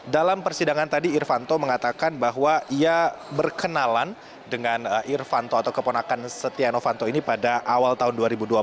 dalam persidangan tadi irfanto mengatakan bahwa ia berkenalan dengan irvanto atau keponakan setia novanto ini pada awal tahun dua ribu dua belas